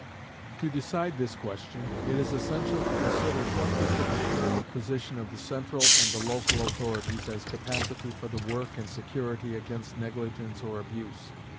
To decide this question, it is essential to consider what is the comparative position of the central and the local authorities as capacity for the work, and security against negligence or abuse.